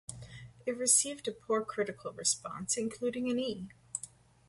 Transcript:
It received a poor critical response, including an E!